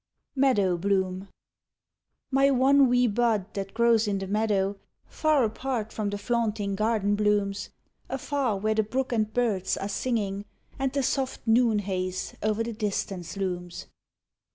MEADOW BLOOM My one wee bud that grows in the meadow, Far apart from the flaunting garden blooms, Afar, where the brook and birds are singing, And the soft noon haze o'er the distance looms.